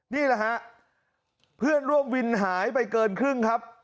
นี่แหละฮะเพื่อนร่วมวินหายไปเกินครึ่งครับ